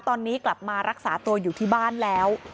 ตอนนี้กลับมารักษาตัวอยู่ที่บ้านแล้ว